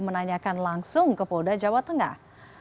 menanyakan langsung ke polda jawa tengah